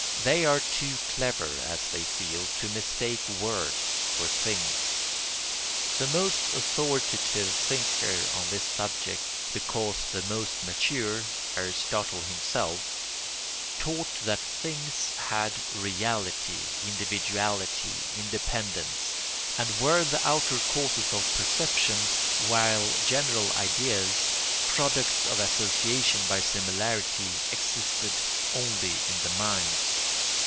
They are too clever, as they feel, to mistake words for things. The most authoritative thinker on this subject, because the most mature, Aristotle himself, taught that things had reality, individuality, independence, and were the outer cause of perception, while general ideas, products of association by similarity, existed only in the mind.